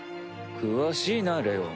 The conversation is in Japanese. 詳しいなレオン。